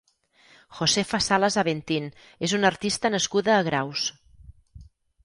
Josefa Salas Aventín és una artista nascuda a Graus.